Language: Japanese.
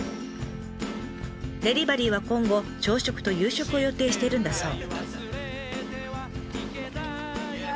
デリバリーは今後朝食と夕食を予定しているんだそう。